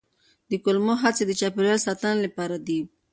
د کمولو هڅې د چاپیریال ساتنې لپاره دي.